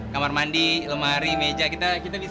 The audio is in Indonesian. kamar mandi lemari meja kita bisa